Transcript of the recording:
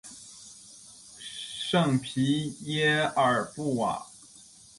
圣皮耶尔布瓦。